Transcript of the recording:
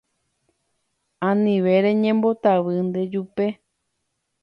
Anive reñembotavy ndejupe